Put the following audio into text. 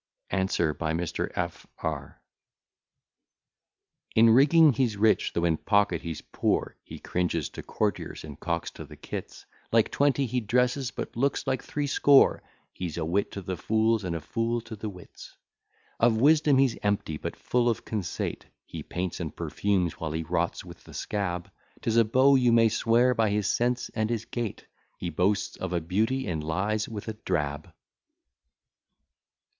ANSWER, BY MR. F R In rigging he's rich, though in pocket he's poor, He cringes to courtiers, and cocks to the cits; Like twenty he dresses, but looks like threescore; He's a wit to the fools, and a fool to the wits. Of wisdom he's empty, but full of conceit; He paints and perfumes while he rots with the scab; 'Tis a beau you may swear by his sense and his gait; He boasts of a beauty and lies with a drab.